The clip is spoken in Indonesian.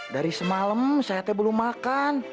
dari semalam sehatnya belum makan